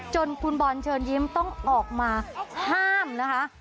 จนคุณบอลเชิญยิ้มต้องออกมาห้ามนะคะ